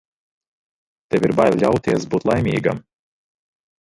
Tev ir bail ļauties būt laimīgam.